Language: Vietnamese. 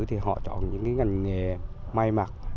thì họ chọn những cái ngành nghề may mặc